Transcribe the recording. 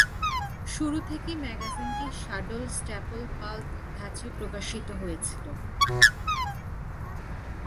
শুরু থেকেই ম্যাগাজিনটি saddle-staple pulp ধাঁচে প্রকাশিত হয়েছিল।